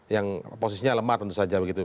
yang posisinya lemah tentu saja begitu